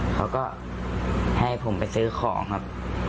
เขาก็ให้ผมไปซื้อของครับ